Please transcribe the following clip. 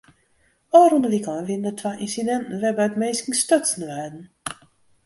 Ofrûne wykein wiene der twa ynsidinten wêrby't minsken stutsen waarden.